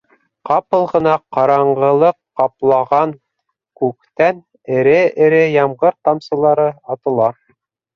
Ҡапыл ғына ҡараңғылыҡ ҡаплаған күктән эре-эре ямғыр тамсылары атыла.